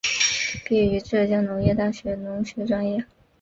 毕业于浙江农业大学农学专业。